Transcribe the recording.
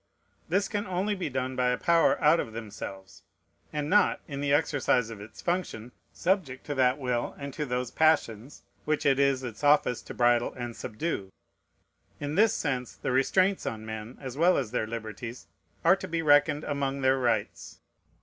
This can only be done by a power out of themselves, and not, in the exercise of its function, subject to that will and to those passions which it is its office to bridle and subdue. In this sense the restraints on men, as well as their liberties, are to be reckoned among their rights.